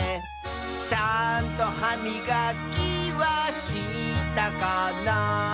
「ちゃんとはみがきはしたかな」